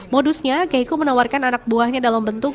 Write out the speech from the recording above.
modusnya keiko menawarkan anak buahnya dalam bentuk